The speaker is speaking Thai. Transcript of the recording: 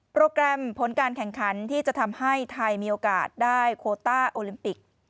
แกรมผลการแข่งขันที่จะทำให้ไทยมีโอกาสได้โคต้าโอลิมปิก